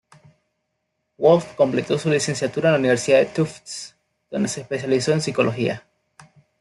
Wolf completó su licenciatura en la Universidad de Tufts, donde se especializó en psicología.